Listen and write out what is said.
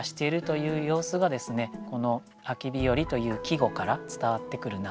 この「秋日和」という季語から伝わってくるなと。